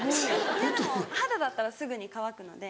いやでも肌だったらすぐに乾くので。